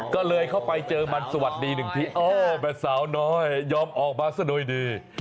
ก็เลยเข้าไปเจอมันสวัสดีหนึ่งทีโอ้แบบสาวน้อยยอมออกมาซะโดยดี